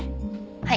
はい。